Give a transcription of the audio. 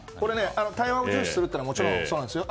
対話を重視するというのはもちろんそうなんですよ。